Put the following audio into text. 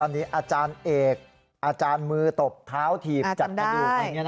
อันนี้อาจารย์เอกอาจารย์มือตบท้าวถีบจัดกระดูก